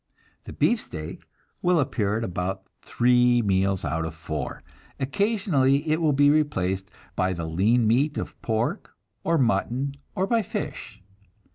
The beefsteak will appear at about three meals out of four; occasionally it will be replaced by the lean meat of pork or mutton, or by fish.